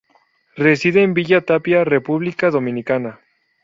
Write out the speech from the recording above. Reside en Villa Tapia, República Dominicana.